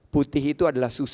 putih itu adalah susu